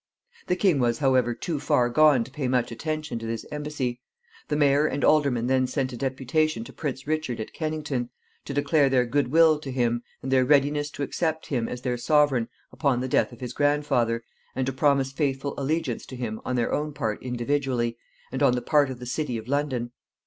The king was, however, too far gone to pay much attention to this embassy. The mayor and aldermen then sent a deputation to Prince Richard at Kennington, to declare their good will to him, and their readiness to accept him as their sovereign upon the death of his grandfather, and to promise faithful allegiance to him on their own part individually, and on the part of the city of London.